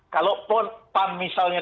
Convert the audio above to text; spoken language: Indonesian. kalaupun pan misalnya